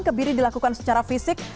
kebiri dilakukan secara fisik